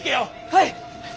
はい！